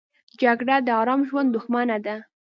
جګړه د آرام ژوند دښمنه ده